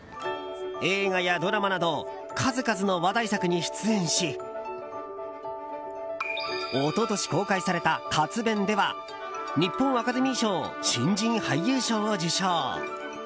映画やドラマなど数々の話題作に出演し一昨年公開された「カツベン！」では日本アカデミー賞新人俳優賞を受賞。